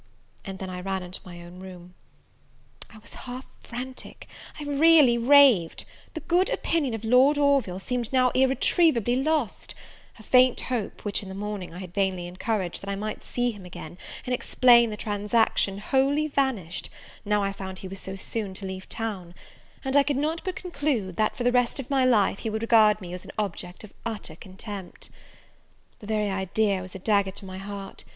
and then I ran into my own room. I was half frantic, I really raved; the good opinion of Lord Orville seemed now irretrievable lost: a faint hope, which in the morning I had vainly encouraged, that I might see him again, and explain the transaction, wholly vanished, now I found he was so soon to leave town: and I could not but conclude, that, for the rest of my life, he would regard me as an object of utter contempt. The very idea was a dagger to my heart!